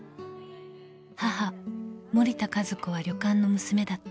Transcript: ［母森田加寿子は旅館の娘だった］